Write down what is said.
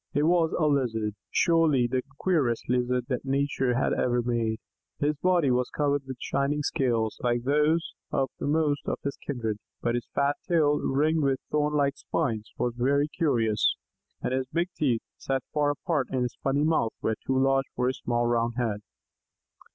It was a Lizard surely the queerest Lizard that Nature had ever made. His body was covered with shining scales, like those of most of his kindred, but his fat tail, ringed with thorn like spines, was very curious, and his big teeth, set far apart in his funny mouth, were too large for his small round head.